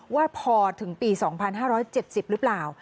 ว่าพอถึงปี๒๕๗๐หรือเปล่า